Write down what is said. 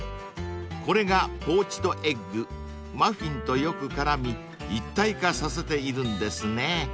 ［これがポーチドエッグマフィンとよく絡み一体化させているんですね］